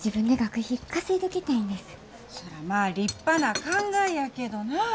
そらまあ立派な考えやけどな。